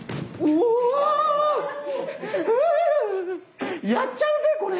う！やっちゃうぜこれ！